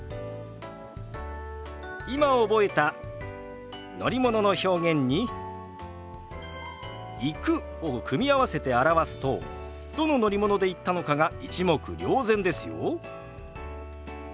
今覚えた乗り物の表現に「行く」を組み合わせて表すとどの乗り物で行ったのかが一目瞭然ですよ。